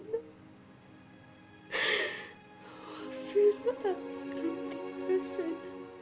wafirat rutin asal